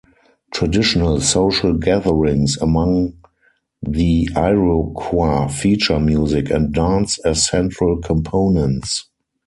Traditional social gatherings among the Iroquois feature music and dance as central components.